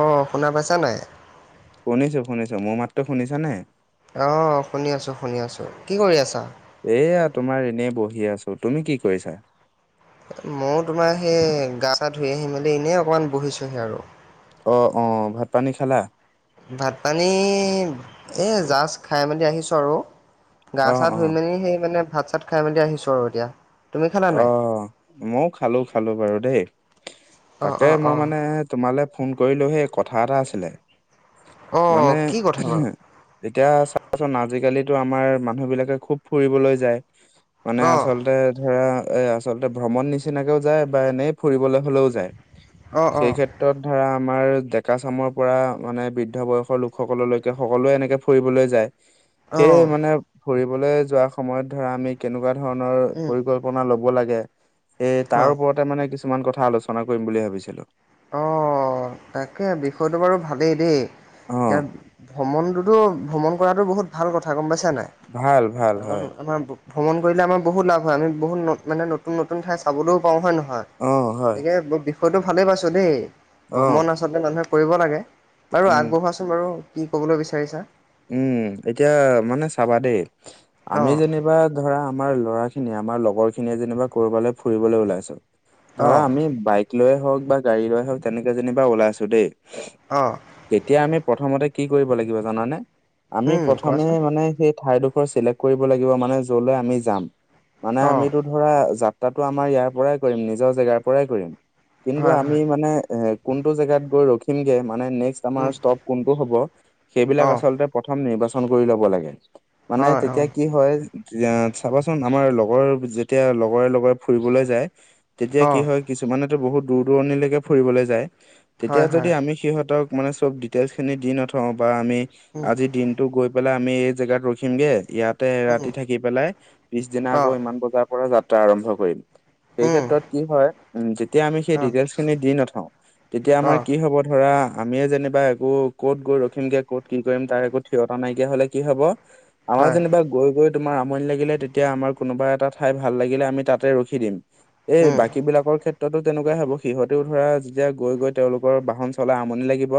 অঁ শুনা পাইছা নে? শুনিছো-শুনিছো মোৰ মাতটো শুনিছা নে? অ, শুনি আছো, শুনি আছো। কি কৰি আছা? এইয়া তোমাৰ এনেই বহি আছো। তুমি কি কৰিছা? মও তোমাৰ সেই গা-চা ধুই আহি মেলি এনেই অকনমান বহিছোহি আৰু। অ, অ ভাত-পানী খালা? ভাত পানী এই জাষ্ট খাই মেলি আহিছোঁ আৰু৷ গা অ চা অ ধুই মেলি সেই মানে ভাত চাত খাই মেলি আহিছোঁ আৰু এতিয়া৷ তুমি খালা অ নাই? মইও খালো-খালো বাৰু দেই অ' তাকে অ' মই অ' মানে তোমালে ফোন কৰিলো সেই কথা এটা আছিলে অ' মানে কি কথা বাৰু? এতিয়া চাবচোন। আজি-কালিটো আমাৰ মানুহ বিলাকে খুব ফুৰিবলৈ যায়। মানে অ' আচলতে ধৰা এ আচলতে ভ্ৰমণ নিচিনাকেও যায় বা এনেই ফুৰিবলৈ হ'লেও যায়। অ' সেই অ' ক্ষেত ত্ৰত ধাৰা আমাৰ ডেকাচামৰ পৰা মানে বৃদ্ধ বয়সৰ লোকসকললৈকে সকলোৱে এনেকৈ ফুৰিবলৈ যায়। সেই অ' মানে ফুৰিবলৈ যোৱা সময়ত ধৰা আমি কেনেকুৱা ধৰণৰ উম পৰিকল্পনা লব লাগে এই তাৰ অ' ওপৰতে মানে কিছুমান কথা আলোচনা কৰিম বুলি ভাবিছিলো। অ, তাকে। বিষয়টো বাৰু ভালেই দেই। অ এতিয়া ভ্ৰমণটোতো ভ্ৰমণ কৰাটো বহুত ভাল কথা, গম পাইছা নাই? ভাল ভাল কাৰণ হয় আমাৰ ভ্ৰমণ কৰিলে আমাৰ বহুত লাভ হয়। আমি বহুত মানে নতুন নতুন ঠাই চাবলৈ পাওঁ, হয় নহয়? অ হয় গতিকে বিষয়টো ভালেই পাইছো দেই। অ ভ্ৰমণ আচলতে মানুহে কৰিব লাগে। বাৰু উম আগবঢ়োৱাচোন বাৰু কি ক'বলৈ বিচাৰিছা। উম, এতিয়া মানে চাবা দেই। আমি অঁ যেনিবা ধৰা আমাৰ ল'ৰাখিনিয়ে আমাৰ লগৰ খিনিয়ে যেনিবা ক'বালৈ ফুৰিবলৈ ওলাইছো। ধৰা অঁ আমি বাইক লৈয়ে হওক বা গাড়ী লৈয়ে হওক তেনেকে যেনিবা ওলাইছো দেই। অ। তেতিয়া আমি প্ৰথমতে কি কৰিব লাগিব জানানে? আমি অঁ প্ৰথমে কোৱাচোন মানে সেই ঠাইডোখৰ চিলেক কৰিব লাগিব মানে যলৈ আমি যাম। মানে অঁ আমিতো ধৰা যাত্ৰাটো আমাৰ ইয়াৰ পৰাই কৰিম, নিজৰ জেগাৰ পৰাই কৰিম। কিন্তু হয় আমি হয় মানে এ কোনটো জেগাত গৈ ৰখিমগে মানে নেক্স আমাৰ ষ্টপ কোনটো হ'ব সেইবিলাক অঁ আচলতে প্ৰথম নিৰ্বাচন কৰি ল'ব লাগে। মানে হয় অঁ তেতিয়া কি হয় য়া চাবাচোন। আমাৰ লগৰ যেতিয়া লগৰে লগৰে ফুৰিবলৈ যায় তেতিয়া অঁ কি হয়। কিছুমানেতো বহুত দূৰ দূৰণিলৈকে ফুৰিবলৈ যায়। তেতিয়া হয় যদি হয় আমি সিহঁতক মানে চব ডিটেইলছ খিনি দি নথও বা আমি অঁ আজি দিন টো গৈ পেলাই আমি এই জেগাত ৰখিমগে। ইয়াতে ৰাতি থাকি পেলাই পিছদিনা আকৌ অঁ ইমান বজাৰ পৰা যাত্ৰা আৰম্ভ কৰিম। সেই ক্ষেত্ৰত কি হয়, উ যেতিয়া আমি সেই ডিটেইলচ খিনি দি নথও। তেতিয়া আমাৰ অঁ কি হ'ব ধৰা আমিয়ে যেনিবা একো ক'ত গৈ ৰখিমগে, ক'ত কি কৰিম তাৰ একো ঠিকনা নাইকিয়া হ'লে কি হ'ব আমাৰ হয় যেনিবা গৈ গৈ তোমাৰ আমনি লাগিলে তেতিয়া আমাৰ কোনোবা এটা ঠাই ভাল লাগিলে আমি তাতে ৰখি দিম। এই বাকী বিলাকৰ ক্ষেত্ৰতো তেনেকুৱাই হ'ব। সিহঁতেও ধৰা যেতিয়া গৈ গৈ তেওঁলোকৰ বাহন চলাই আমনি লাগিব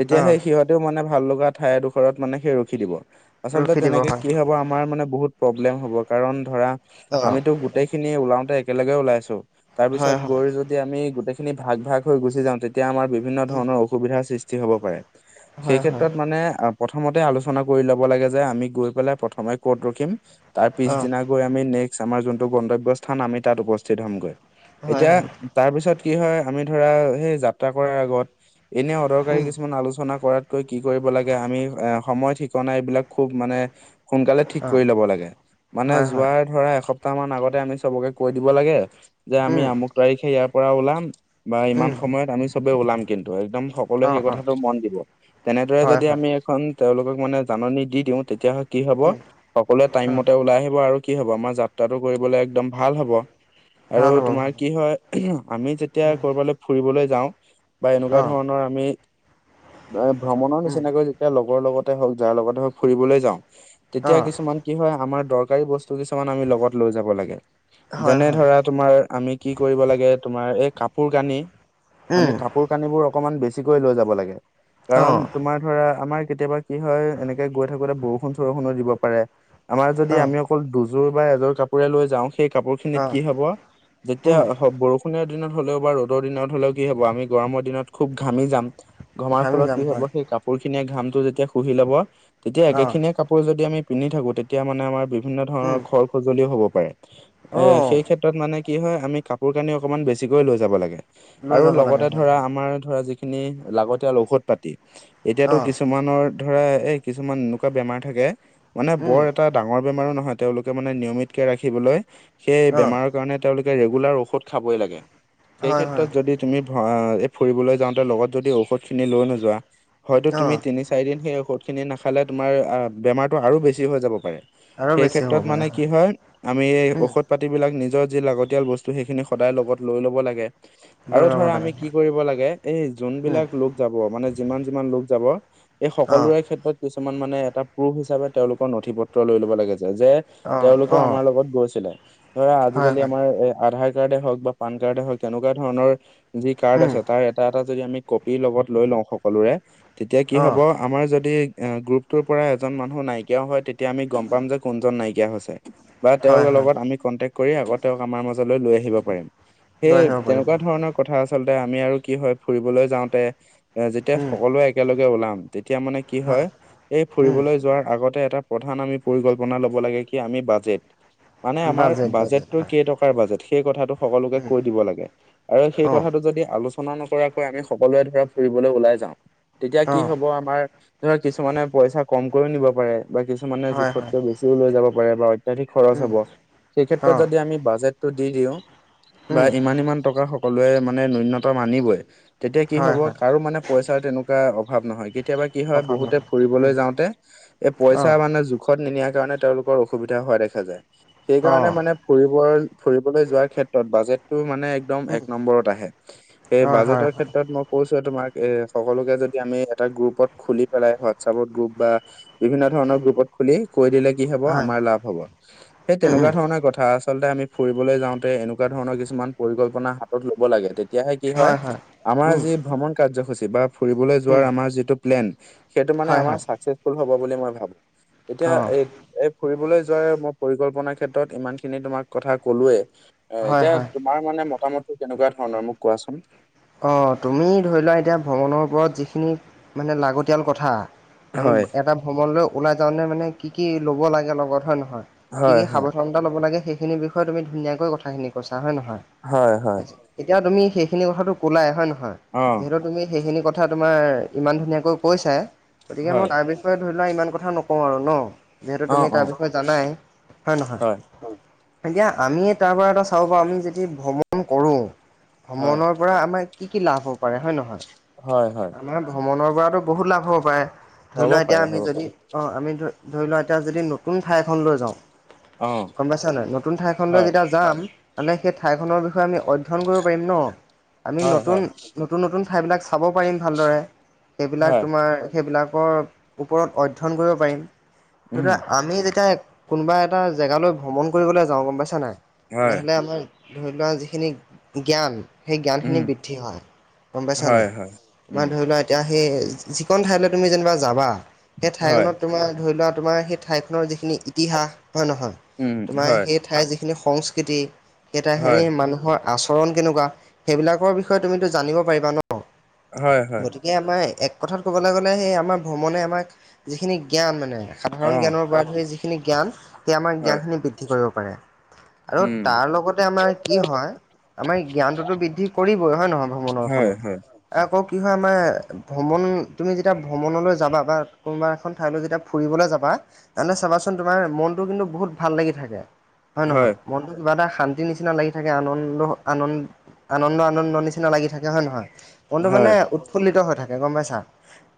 তেতিয়া অঁ সেই সিহঁতেও মানে ভাল লগা ঠাইডোখৰত মানে সেই ৰখি দিব। আচলতে ৰখি দিব তেনেকে হয় কি হ'ব, আমাৰ মানে বহুত প্ৰব্লেম হ'ব। কাৰণ ধৰা অঁ আমিতো গোটেই খিনি ওলাওঁতে একেলগে ওলাইছো। তাৰ হয় পিছত হয় গৈ যদি আমি গোটেই খিনি ভাগ ভাগ হৈ গুচি যাওঁ তেতিয়া আমাৰ বিভিন্ন উম ধৰণৰ অসুবিধাৰ সৃষ্টি হ'ব পাৰে। সেই হয় হয় ক্ষেত্ৰত মানে প্ৰথমতে আলোচনা কৰি ল'ব লাগে যে আমি গৈ পেলাই প্ৰথমে ক'ত ৰখিম। তাৰ অঁ পিছদিনা গৈ আমি নেক্স আমাৰ যোনটো গন্তব্য স্থান আমি তাত উপস্থিত হ'মগৈ। হয় এতিয়া হয় তাৰপিছত কি হয়, আমি ধৰা সেই যাত্ৰা কৰাৰ আগত এনে দৰকাৰী উম কিছুমান আলোচনা কৰাতকৈ কি কৰিব লাগে, আমি এ সময় ঠিকনা এইবিলাক খুব মানে সোনকালে ঠিক অ', কৰি ল'ব লাগে। মানে হয় হয়, যোৱাৰ ধৰা এসপ টা মান আগতে আমি চবকে কৈ দিব লাগে যে আমি উম, আমুক তাৰিখে ইয়াৰ পৰা ওলাম। বা ইমান উম, সময়ত আমি চবেই ওলাম কিন্তু। একদম সকলোৱে অ', সেই অ', কথাটো মন দিব। তেনেদৰে হয় যদি হয়, আমি এখন তেওঁলোকক মানে জাননী দি দিওঁ তেতিয়া হয় কি হ'ব উম, সকলোৱে টাইম অ', মতে ওলাই আহিব আৰু কি হ'ব আমাৰ যাত্ৰাটো কৰিবলে একদম ভাল হব। আৰু ভাল হ'ব তোমাৰ ভাল হ'ব, কি হয় আমি যেতিয়া উম, কৰবালৈ ফুৰিবলৈ যাও বা এনেকুৱা অ', ধৰণৰ আমি ভ্ৰমণৰ উম, নিচিনাকৈ তেতিয়া লগৰ লগতে হওঁক যাৰ লগতে হ ফুৰিবলৈ যাওঁ তেতিয়া অ', কিছুমান কি হয় আমাৰ দৰকাৰী বস্তু কিছুমান আমি লগত লৈ যাব লাগে। হয় যেনে হয়, ধৰা তোমাৰ আমি কি কৰিব লাগে। তোমাৰ এই কাপোৰ কানি আমি উম, কাপ কাপোৰ কানিবোৰ অকমান বেছিকৈ লৈ যাব লাগে। কাৰণ অ', তোমাৰ ধৰা আমাৰ কেতিয়াবা কি হয় এনেকে গৈ থাকোতে বৰষুণ চৰষুণো দিব পাৰে আমাৰ যদি অ', আমিও অকল দুযোৰ বা এযোৰ কাপোৰে লৈ যাওঁ সেই কাপোৰ খিনিত অ', কি হব যেতিয়া উম, বৰষুণ ণাৰ দিনত হ'লেও বা ৰ'দৰ দিনত হ'লেও কি হ'ব আমি গৰমৰ দিনত খুব ঘামি যাম ঘমাৰ ঘামি ফলত যাম কি হব হয়, কাপোৰ খিনিয়ে ঘাম টো যেতিয়া শুহি লব তেতিয়া একে অ', খিনিয়ে কাপোৰ যদি আমি পিন্ধি থাকো তেতিয়া মানে আমাৰ বিভিন্ন ধৰণৰ উম, খৰ খজুলিও হ'ব পাৰে এ অ', সেই ক্ষেত মানে কি হয় আমি কাপোৰ কানি অকমান বেছিকৈ লৈ যাব লাগে লৈ আৰু যাব লাগে লগতে হয় ধৰা হয়, আমাৰ ধৰা যি খিনি লাগতিয়াল ঔষধ পাতি এতিয়াতো অ', কিছুমান ধৰা এই কিছুমান এনেকুৱা বেমাৰ থাকে মানে উম, বৰ এটা ডাঙৰ বেমাৰো নহয় তেওঁলোকে মানে নিয়মিত কে ৰাখিবলৈ সেই অ', বেমাৰৰ কাৰণে তেওঁলোকে ৰেগুলাৰ ঔষধ খাবই লাগে সেই হয় হয়, ক্ষেত্ৰত যদি তুমি ভ ফুৰিবলৈ যাওঁতে লগত যদি ঔষধ খিনি লৈ নোযো আ হয়তো অ', তুমি তিনি চাৰিদিন সেই ঔষধখিনি নাখালে তোমাৰ বেমাৰটো আৰু বেছি হৈ যাব পাৰে। আৰু সেই বেছি হ'ব ক্ষেত্ৰত মানে পাৰে কি হয় আমি উম, ঔষধ পাতিবিলাক নিজৰ যি লাগতিয়াল বস্তু সেইখিনি সদায় লগত লৈ ল'ব লাগে। লৈ আৰু ল'ব ধৰা লাগে আমি কি হয়, কৰিব লাগে, এই উম, যোনবলাক লোক যাব মানে যিমান-যিমান লোক যাব এই অ', সকলোৰে ক্ষেত্ৰত কিছুমান মানে এটা প্ৰুফ হিচাপে তেওঁলোকৰ নথি পত্ৰ লৈ ল'ব লাগে। যে অ', তেওঁলোকেও অ', আমাৰ লগত গৈছিলে ধৰা হয় আজিকালি হয়, আমাৰ এ আধাৰ কাৰ্ডে হওক বা পান কাৰ্ডে হওক তেনেকুৱা ধৰণৰ যি কাৰ্ড উম, আছে তাৰ এটা-এটা যদি আমি কপি লগত লৈ লওঁ সক সকলোৰে তেতিয়া কি হ'ব অ', আমাৰ যদি গ্ৰুপটোৰ পৰা এজন মানুহো নাইকিয়াও হয় তেতিয়া আমি গম পাম যে কোনজন নাইকিয়া হৈছে। বা তেওঁ হয় হয়, লগত আমি কন্টেকট কৰি আকৌ তেওঁক আমাৰ মাজলৈ লৈ আহিব পাৰিম সেই লৈ আহিব পাৰিম তেনেকুৱা হয়, ধৰণৰ- কথা আচলতে আমি আৰু কি হয় ফুৰিবলৈ যাওঁতে এ যেতিয়া উম, সকলোৱে একেলগে ওলাম তেতিয়া মানে কি হয় এই উম, ফুৰিবলৈ যোৱাৰ আগতে এটা প্ৰধান আমি পৰিকল্পনা লব লাগে কি আমি বাজেট মানে আমাৰ বাজেট বাজেট বাজেটটো কেইটকা হয় কেই টকাৰ বাজেট সেই কথাটো সকলোকে উম কৈ দিব লাগে, আৰু সেই অঁ কথাটো যদি আলোচ আলোচনা নকৰাকৈ আমি সকলোৱে ধৰা ফুৰিবলৈ ওলাই যাওঁ তেতিয়া কি অঁ হব আমাৰ ধৰা কিছুমানে পইচা কমকও নিব পাৰে বা কিছুমানে হয় হয় জোখতকৈ বেছিও লৈ যাব পাৰে বা- অত্যাধিক খৰচ উম হ'ব সেই ক্ষেত্ৰত অঁ যদি আমি বাজেটটো দি দিওঁ বা উম ইমান-ইমান টকা সকলোৱে মানে নুন্যতম আনিবই তেতিয়া কি হয় হ'ব হয় কাৰো মানে পইচাৰ তেনেকুৱা অভাৱ নহয়। কেতিয়াবা কি হয় অভাৱ বহুতে ফুৰিব নহয় উম ফুৰিবলৈ যাওঁতে এই অঁ পইচা মানে জোখত নিনিয়াৰ কাৰণে তেওঁলোকৰ অসুবিধা হোৱা দেখা যায়। সেই কাৰণে অঁ মানে ফুৰিব ফুৰিবলৈ যোৱাৰ ক্ষেত্ৰত বাজেটো মানে একদম উম এক নম্বৰত আহে। সেই হয় হয় বাজেটৰ হয় ক্ষেত্ৰত মই কৈছোয়ে তোমাক এ সকলোকে যদি আমি এটা গ্ৰুপত খুলি পেলাই হোৱাটছআপত গ্ৰুপ বা বিভিন্ন ধৰণৰ গ্ৰুপত খুলি কৈ দিলে কি হব হয় আমাৰ লাভ হব। সেই উম উম তেনেকুৱা ধৰণৰ কথা আচলতে আমি ফুৰিবলৈ যাওঁতে এনেকুৱা ধৰণৰ কিছুমান পৰিকল্পনা হাতত ল'ব লাগে তেত তেতিয়াহে কি হয় আমাৰ উম যি ভ্ৰমণ কাৰ্যসূচী বা ফুৰিবলৈ যোৱাৰ উম আমাৰ যিটো প্লেন সেইটো মানে হয় আমাৰ হয় চাকচেচফুল হ'ব বুলি মই ভাবো এতিয়া অঁ এই এই ফুৰিবলৈ যোৱাৰ মই পৰিকল্পনাৰ ক্ষেত্ৰত ইমান খিনি তোমাক কথা কলোৱে। অ হয় এতিয়া হয় তোমাৰ মানে মতামতটো কেনেকুৱা ধৰণৰ মোক কোৱাচোন? অ তুমি ধৰি লোৱা এতিয়া ভ্ৰমণৰ ওপৰত যিখিনি মানে লাগতিয়াল কথা আমি হয় এটা ভ্ৰমণ লৈ ওলাই যাওঁতে মানে কি কি ল'ব লাগে লগত হয় নহয় কি হয় কি হয় সাৱধান ল'ব লাগে সেইখিনিৰ বিষয়ে তুমি ধুনীয়াকৈ কথাখিনি কৈছা হয় নহয়। হয় হয় এতিয়া তুমি সেইখিনি কথাটো ক'লাই হয় নহয় অ যিহেতু তুমি সেইখিনি কথা তোমাৰ ইমান ধুনীয়াকৈ কৈছায়ে গতিকে মই হয় তাৰ বিষয়ে ধৰি লোৱা ইমান কথা নকওঁ আৰু ন। যিহেতু অ তুমি অ তাৰ বিষয়ে জানাই হয় নহয়? এতিয়া আমি তাৰ পৰা এটা চাওঁ পাৰ আমি যদি ভ্ৰমণ কৰোঁ হয় ভ্ৰমণৰ পৰা আমাক কি কি লাভ হ'ব পাৰে হয় নহয়। হয় হয়। আমাৰ ভ্ৰমণৰ পৰাতো বহুত লাভ হ'ব পাৰে ধৰি হ'ব লোৱা এতিয়া পাৰে আমি হ'ব যদি- পাৰে অ আমি ধ ধৰি লোৱা এতিয়া যদি নতুন ঠাই এখন লৈ যাওঁ। অ গম পাইছা নহয় নতুন ঠাইখন লৈ হয় যেতিয়া যাম। মানে সেই ঠাইখনৰ বিষয়ে আমি অধ্যয়ন কৰিব পাৰিম ন আমি হয় ন- হয় নতুন নতুন ঠাইবিলাক চাব পাৰিম ভালদৰে সেইবিলাক হয় তোমাৰ সেইবিলাকৰ ওপৰত অধ্যয়ন কৰিব পাৰিম। উম সেইটো আমি যেতিয়া কোনোবা এটা জেগালৈ ভ্ৰমণ কৰিবলৈ যাওঁ গম পাইছা নাই হয় তেনেহ'লে আমাৰ ধৰি লোৱা যিখিনি জ্ঞান সেই জ্ঞানখিনি উম বৃ- হয় গম পাইছা হয় নাই হয় মান উম ধ- লোৱা এতিয়া সেই যিখন ঠাইলৈ তুমি যেনিবা যাবা সেই হয় ঠাইখনত তোমাৰ ধৰি লোৱা তোমাৰ সেই ঠাইখনৰ যিখিনি ইতিহাস হয় নহয় উম তোমাৰ হয় সেই ঠাইৰ যি সংস্কৃতি হয় কেইটাখিনি মানুহৰ আচৰণ কেনেকুৱা সেইবিলাকৰ বিষ- ষয়ে তুমি তো জানিব পাৰিবা ন। হয় হয়। গতিকে আমাৰ এক কথাত ক'বলৈ গ'লে সেই আমাৰ ভ্ৰমণে আমাক যিখিনি জ্ঞান মানে অ সাধাৰণ জ্ঞানৰ পৰা ধৰি যিখিনি জ্ঞান তেওঁ আমাৰ হয় জ্ঞানখিনি বৃদ্ধি কৰিব পাৰে। আৰু উম তাৰ লগতে আমাৰ কি হয় আমাৰ জ্ঞানটোতো বৃদ্ধি কৰিব হয় নহয় ভ্ৰমণৰ হয় ফলত। হয় আকৌ কি হয় আমাৰ ভ্ৰমণ তুমি যেতিয়া ভ্ৰমণলৈ যাবা বা কোনোবা এখন ঠাইলৈ যেতিয়া ফুৰিবলৈ যাবা তেনেহলে চাবাচোন তোমাৰ মনটো কিন্তু বহুত ভাল লাগি থাকে। হয় নহয় মনটো কিবা এটা শান্তি নিচিনা লাগি থাকে আনন্দ আন আনন্দ নন্দ নিচিনা লাগি থাকে হয় নহয় মনটো মানে হয় উৎফুল্লিত হৈ থাকে গম পাইছা।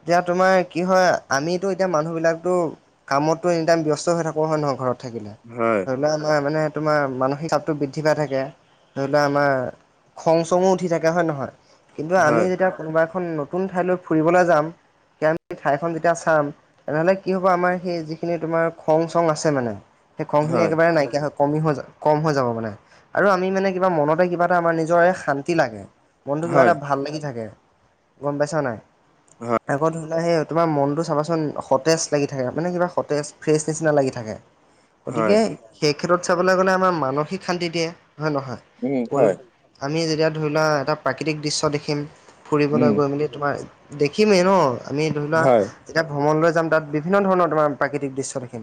এতিয়া তোমাৰ কি হয় আমিতো এতিয়া মানুহবিলাকতো কামতো এনি টাইম ব্যস্ত হৈ থাকো হয় নহয় ঘৰত থাকিলে হয় ধৰি লোৱা আমাৰ মানে তোমাৰ মানসিক চাপটো বৃদ্ধি পাই থাকে ধৰি লোৱা আমাৰ খংছ চঙো উঠি থাকে হয় নহয়? কিন্তু আমি হয় যেতিয়া কোনোবা এখন নতুন ঠাইলৈ ফুৰিবলৈ যাম আমি ঠাইখন যেতিয়া চাম। তেনেহলে কি হব আমাৰ সেই যিখিনি তোমাৰ খং চং আছে মানে সেই খং খিনি হয় একেবাৰে নাইকিয়া হৈ কমি হৈ কম হৈ যাব মানে আৰু আমি মানে কিবা মনতে কিবা এটা আমাৰ নিজৰে শান্তি লাগে। মনটো কিবা হয় এটা ভাল লাগি থাকে গম পাইছা নাই। হয় আগত হো'লা সেই তোমাৰ মনটো চাবাচোন সতেজ লাগি থাকে মানে কিবা সতেজ ফ্ৰেছ নিচিনা লাগি থাকে। [inaudible] গতিকে সেই ক্ষেত্ৰত চাবলৈ গলে আমাৰ মানসিক শান্তি দিয়ে হয়ে নহয়। উম হয় পৰি- আমি যেতিয়া ধৰি লোৱা এটা প্ৰাকৃতিক দৃশ্য দেখিম ফুৰিবলৈ উম গৈ মেলি তোমাৰ দেখিমেই ন আমি ধৰি লোৱা হয় যেতিয়া ভ্ৰমণ লৈ যাম তাত বিভিন্ন ধৰণৰ তোমাৰ প্ৰাকৃতিক দৃশ্য দেখিম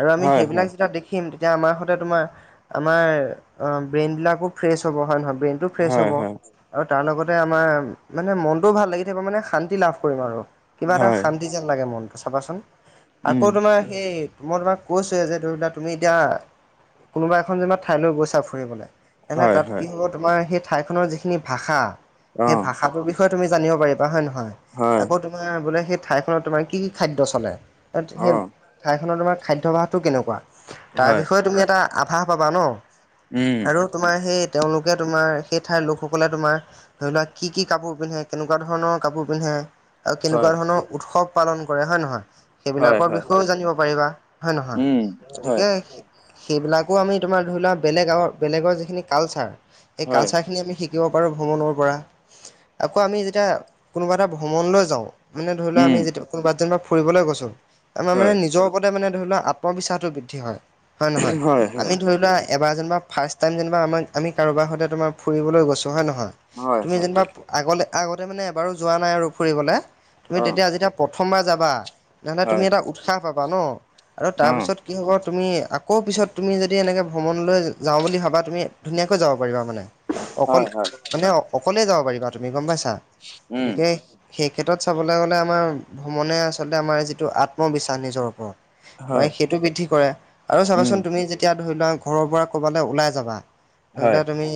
আৰু আমি হয় সেইবিলাক হয় যেতিয়া দেখ- খিম তেতিয়া আমাৰ সৈতে তোমাৰ আমাৰ ব্ৰেইনবিলাকো ফ্ৰেছ হ'ব হয় নহয় ব্ৰেইন ফ্ৰেছ হয় হ'ব হয় আৰু তাৰ লগতে আমাৰ মানে মনটোও ভাল লাগি থাকিব মানে শান্তি লাভ কৰিম আৰু। কিবা এটা হয় শান্তি যেন লাগে মনটো চাবাচোন। উম আকৌ তোমাৰ সেই মই তোমাক কৈছোৱে যে ধৰি লোৱা তুমি এতিয়া কোনোবা এখন জেনিবা মানে ঠাইলৈ গৈছা ফুৰিবলে এনেহ হয় তাত হয় কি হ'ব তোমাৰ সেই ঠাইখনৰ যিখিনি ভাষা অ সেই ভাষাটোৰ বিষয় বিষয়ে তুমি জানিব পাৰিবা হয় নহয়। হয় আকৌ তোমাৰ বোলে সেই ঠাইখনত তোমাৰ কি কি খাদ্য চলে? তাত অ সেব ঠাই খনৰ তোমাৰ খাদ্যভাসটো কেনেকুৱা তাৰ হয়, বিষয়ে তুমি এটা আভাস পাবা ন উম। আৰু তোমাৰ সেই তেওঁলোকে তোমাৰ সেই ঠাইৰ লোকসকলে তোমাৰ ধৰি লোৱা কি কি কাপোৰ পিন্ধে? কেনেকুৱা ধৰণৰ কাপোৰ পিন্ধে? আৰু কেনেকুৱা হয়। ধৰণৰ উৎসৱ পালন কৰে হয় নহয়? হয়, সেইবিলাকৰ হয়, বিষয়েও জানিব পাৰিবা, হয় নহয়? উম, হয়, গতিকে সেইবিলাকো আমি তোমাৰ ধৰি লোৱা বেলেগ গাঁৱৰ বেলেগৰ যিখিনি কালচাৰ সেই হয়, কালচাৰখিনি আমি শিক- শিকিব পাৰোঁ ভ্ৰমণৰ পৰা আকৌ আমি যেতিয়া কোনোবা এটা ভ্ৰমণলৈ যাওঁ। মানে ধৰি লোৱা উম, আমি যেতিয়া কোনোবাত যেন বা ফুৰিবলৈ গৈছো আমাৰ মানে হয়। নিজৰ লগতে মানে ধৰি লোৱা আত্মবিশ্বাসতো বৃদ্ধি হয়, হয় নহয়? হয়, আমি হয়, ধৰি লোৱা এবাৰ যেনিবা ফাৰ্ষ্ট টাইম যেনিবা আমাক আমি কাৰোবাৰ সৈতে তোমাৰ ফুৰিবলৈ গৈছোঁ হয় নহয় হয়, তুমি হয়, যেনিবা আগলে আগতে মানে এবাৰো যোৱা নাই আৰু ফুৰিবলে তুমি অ', তেতিয়া যেতিয়া প্ৰথমবাৰ যাবা নহলে তুমি হয়, এটা উৎসাহ পাবা ন আৰু অ', তাৰপিছত কি হ'ব তুমি আকৌ পিছত তুমি যদি এনেকে ভ্ৰমণলৈ যাওঁ বুলি ভাবা তুমি ধুনীয়াকৈ যাব পাৰিবা মানে। অকল হয়, হয়, মানে অকলে যাব পাৰিবা তুমি, গম পাইছা? উম। গতিকে সেই ক্ষেত্ৰত চাবলৈ গলে আমাৰ ভ্ৰমণে আচলতে আমাৰ যিটো আত্মবিশ্বাস নিজৰ ওপৰত তোমাৰ হয়, সেইটো বৃদ্ধি কৰে আৰু উম, চাবাচোন তুমি যে তিয়া ধৰি লোৱা ঘৰৰ পৰা ক'বালৈ ওলাই যাবা ধৰি হয়, লোৱা তুমি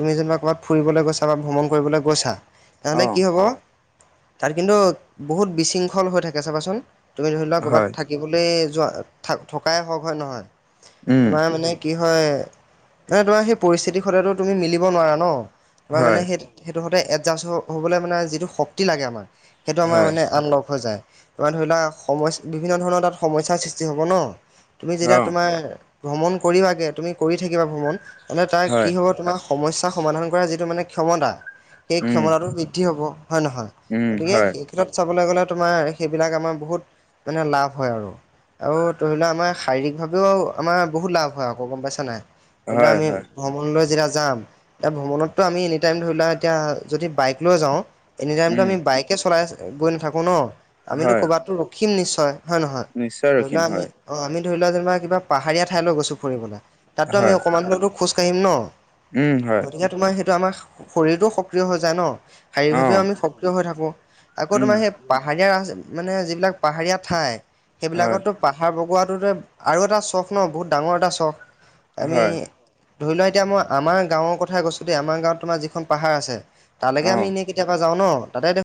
তুমি যেনিবা ক'বাত ফুৰিবলৈ গৈছা বা ভ্ৰমণ কৰিবলৈ গৈছা তেনেহ'লে অ', কি হ'ব তাত কিন্তু বহুত বিশৃংখল হৈ থাকে চাবাচোন। তুমি ধৰি লোৱা ক'বাত হয়, থাক কিবলে যোৱা থা থকাই হওক হয় নহয়। উম, তোমাৰ মানে কি হয় মানে তোমাৰ সেই পৰিস্থিতিৰ সতেতো তুমি মিলিব নোৱাৰা ন! তোমাৰ মানে হয়, সেই সেইটো সদায় এডজাষ্ট হ'বলৈ মানে যিটো শক্তি লাগে আমাক সেইটো আমাৰ হয়, মানে আন লক হৈ যায়। তোমাৰ ধৰি লোৱা সমচ বিভিন্ন ধৰণৰ তাত সমস্যাৰ সৃষ্টি হ'ব ন তুমি যেতিয়া অ', তোমাৰ ভ্ৰমণ কৰিবাগে তুমি কৰি থাকিবা ভ্ৰমণ নহলে তাৰ কি হয়, হ'ব তোমাৰ সমস্যা সমাধান কৰা যিটো মানে ক্ষমতা সেই উম, ক্ষমতাটো বৃদ্ধি হ'ব, হয় নহয়? উম, গতিকে হয়, সেই চাবলৈ গলে তোমাৰ সেইবিলাক আমাৰ বহুত মানে লাভ হয় আৰু। আৰু ধৰি লোৱা আমাৰ শাৰীৰিকভাৱেও আমাৰ বহুত লাভ হয় আকৌ গম পাইছা নাই? ধৰিলোৱা হয়, আমি হয়, ভ্ৰমণলৈ যেতিয়া যাম এতিয়া ভ্ৰমণতো আমি এনি টাইম ধৰি লোৱা এতিয়া যদি বাইক লৈ যাওঁ এনি টাইমতটো উম, আমি বাইকে চলাই গৈ নাথাকো ন? আমিতো হয়, ক'বাতো ৰখিম নিশ্চয়, হয় নহয়? নিশ্চয় ধৰিলোৱা ৰখিম আমি হয়, অঁ আমি ধৰি লোৱা যেনিবা কিবা পাহাৰীয়া ঠাইলৈ গৈছোঁ ফুৰিবলে, তাততো আমি হয়, অকণমানটো খোজ কাঢ়িম ন! উম হয়। গতিকে তোমাৰ সেইটো আমাৰ শৰীৰটোও সক্ৰিয় হৈ যায় ন? শাৰীৰিকভাৱেও অ', আমি সক্ৰিয় হৈ থাকোঁ। আকৌ উম, তোমাৰ সেই পাহাৰীয়া মানে যিবিলাক পাহাৰীয়া ঠাই হয়, সেইবিলাকতো পাহাৰ বগোৱাটোৰ দৰে আৰু এটা চখ ন বহুত ডাঙৰ এটা চখ। আমি হয়, ধৰি লোৱা এতিয়া মই আমাৰ গাঁৱৰ কথা কৈছো দেই আমাৰ গাঁৱত তোমাৰ যিখন পাহাৰ আছে তালৈকে অ'। আমি এনে কেতিয়াবা যাও ন তাতে